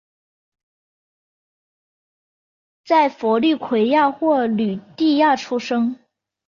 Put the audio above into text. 在佛律癸亚或吕底亚出生。